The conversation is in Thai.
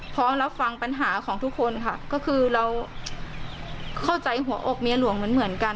พร้อมรับฟังปัญหาของทุกคนค่ะก็คือเราเข้าใจหัวอกเมียหลวงเหมือนกัน